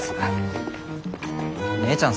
姉ちゃん